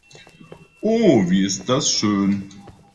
Oh, wie ist das schön!